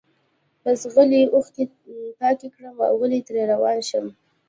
بس غلي اوښکي پاکي کړم اوغلی ترې روان شم